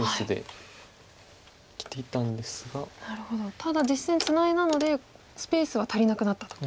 ただ実戦ツナいだのでスペースは足りなくなったと。